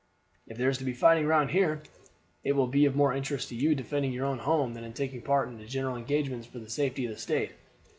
"If there is to be fighting round here, it will be of more interest to you defending your own home than in taking part in general engagements for the safety of the State.